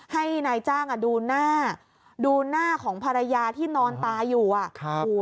ให้นายจ้างอ่ะดูหน้าดูหน้าของภรรยาที่นอนตายอยู่อ่ะ